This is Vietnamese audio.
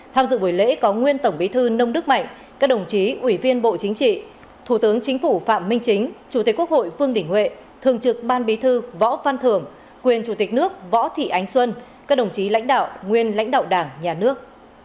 tham dự buổi lễ có nguyên tổng bí thư nông đức mạnh các đồng chí ủy viên bộ chính trị thủ tướng chính phủ phạm minh chính chủ tịch quốc hội vương đình huệ thường trực ban bí thư võ văn thưởng quyền chủ tịch nước võ thị ánh xuân các đồng chí lãnh đạo nguyên lãnh đạo đảng nhà nước